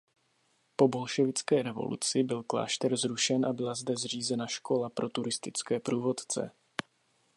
Po bolševické revoluci byl klášter zrušen a byla zde zřízena škola pro turistické průvodce.